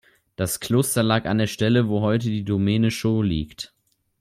Das Kloster lag an der Stelle, wo heute die Domäne Schoo liegt.